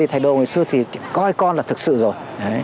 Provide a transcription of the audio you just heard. thầy đồ ngày xưa thì coi con là thực sự rồi